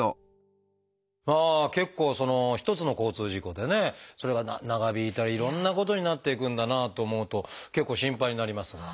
結構一つの交通事故でねそれが長引いたりいろんなことになっていくんだなと思うと結構心配になりますが。